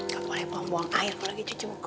gapoleh buang buang air kau lagi cuci muka